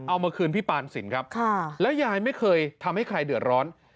เอามาคืนพี่ปานสินครับแล้วยายไม่เคยทำให้ใครเดือดร้อน